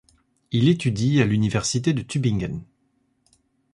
Il étudie à l'université de Tübingen.